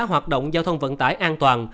hoạt động giao thông vận tải an toàn